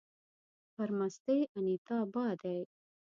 پر مستۍ انيتابا دی